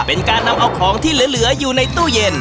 เป็นการนำเอาของที่เหลืออยู่ในตู้เย็น